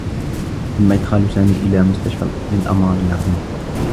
تمّ إدخال سامي إلى مستشفى للأمراض العقليّة.